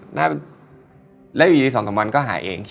หน้าเป็นแล้วอยู่ที่สองกันวันก็หายเองอืม